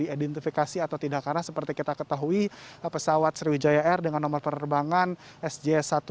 diidentifikasi atau tidak karena seperti kita ketahui pesawat sriwijaya air dengan nomor penerbangan sj satu ratus delapan puluh